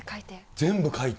全部描いて？